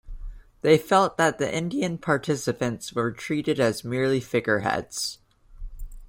They felt that the Indian participants were treated as merely figureheads.